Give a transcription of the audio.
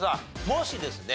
もしですね